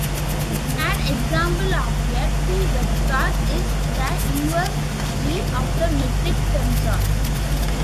An example of a two-vector is the inverse "g" of the metric tensor.